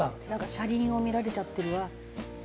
車輪を見られちゃってるわ。